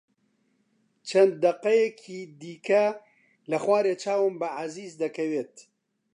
چەند دەقەیەکی دیکە لە خوارێ چاوم بە عەزیز دەکەوێت.